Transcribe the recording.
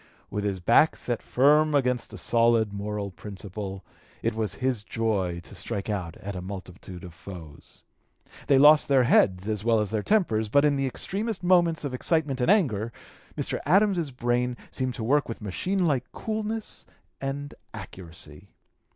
With his back set firm against a solid moral principle, it was his joy to strike out at a multitude of foes. They lost their heads as well as their tempers, but in the extremest moments of excitement and anger Mr. Adams's brain seemed to work with machine like coolness and accuracy.